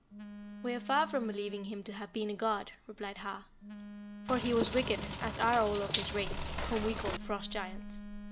"We are far from believing him to have been a god," replied Har, "for he was wicked as are all of his race, whom we call Frost giants.